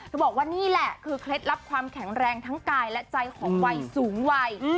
บอกว่านี่แหละคือเคล็ดลับความแข็งแรงทั้งกายและใจของวัยสูงวัย